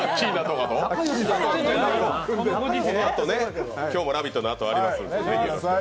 このあとね、今日も「ラヴィット！」のあとあります。